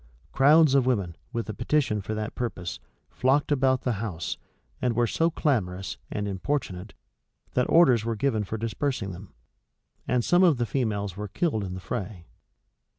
Crowds of women, with a petition for that purpose, flocked about the house, and were so clamorous and, importunate, that orders were given for dispersing them; and some of the females were killed in the fray.